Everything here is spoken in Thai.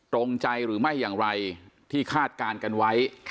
ตรงใจหรือไม่อย่างไรที่คาดการณ์กันไว้